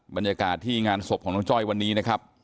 บรรยากาศที่งานศพของน้องจ้อยวันนี้นะครับ